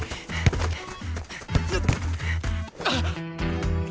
あっ！